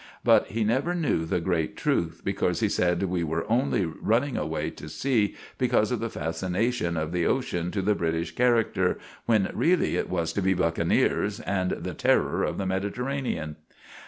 But he never knew the grate truth, becorse he sed we were onley running away to sea becorse of the fascenation of the ocean to the British karacter, when reely it was to be buckeneers and the terrer of the Mediterranan.